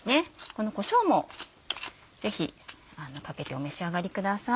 このこしょうもぜひかけてお召し上がりください。